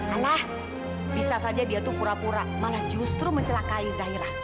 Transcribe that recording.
alah bisa saja dia tuh pura pura malah justru mencelakai zaira